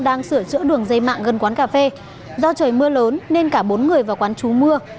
đang sửa chữa đường dây mạng gần quán cà phê do trời mưa lớn nên cả bốn người và quán chú mưa